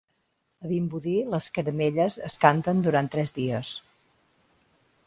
A Vimbodí les caramelles es canten durant tres dies.